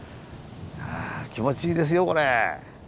気持ちいいですよこれ。